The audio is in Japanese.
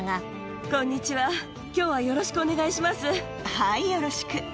はいよろしく。